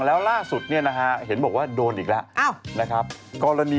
แล้วล่าสุดเห็นบอกว่าโดนอีกแล้ว